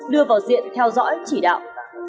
đưa vào diện theo dõi chỉ đạo